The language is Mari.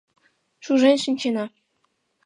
— Шужен шинчена.